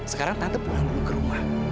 sekarang tatap pulang dulu ke rumah